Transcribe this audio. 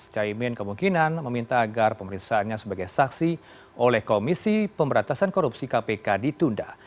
chaimin kemungkinan meminta agar pemeriksaannya sebagai saksi oleh komisi pemberatasan korupsi kpk di tunda